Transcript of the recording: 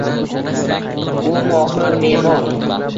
U mohir me’mor —